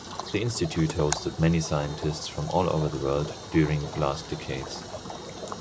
The institute hosted many scientists from all over the world during last decades.